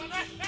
gila banget eh